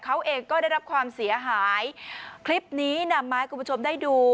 เขาเองก็ได้รับความเสียหายคลิปนี้นำมาให้คุณผู้ชมได้ดู